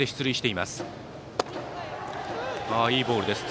いいボールです。